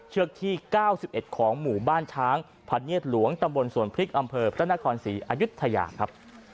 เชือกที่๙๑ของหมู่บ้านช้างพะเนียดหลวงตำบลสวนพริกอำเภอพระนครศรีอายุทยาครับ